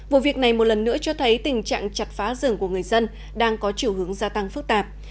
vụ việc này một lần nữa cho thấy tình trạng chặt phá rừng của người dân đang có chiều hướng gia tăng phức tạp